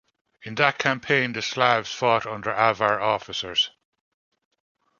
In that campaign the Slavs fought under Avar officers.